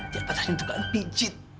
dia patahin tukang pijit